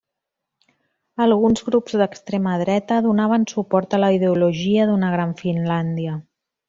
Alguns grups d'extrema dreta donaven suport a la ideologia d'una Gran Finlàndia.